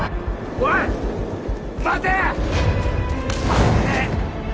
おいっ待て！